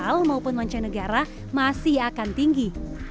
dan dari pemerintah dan pemerintah seluruh negara masih akan tinggi